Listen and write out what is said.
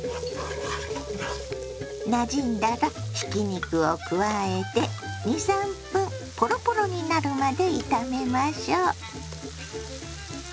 なじんだらひき肉を加えて２３分ポロポロになるまで炒めましょ。